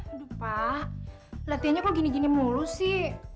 aduh pak latihannya kok gini gini mulus sih